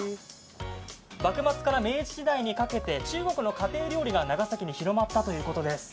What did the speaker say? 幕末から明治時代にかけて中国の家庭料理が長崎に広まったということです。